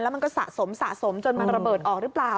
แล้วมันก็สะสมจนมันระเบิดออกหรือเปล่า